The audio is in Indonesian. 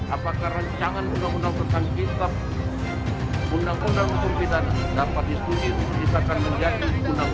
apakah rancangan undang undang bersama kita undang undang untuk bidang dapat disuduhi untuk bisa menjadi undang undang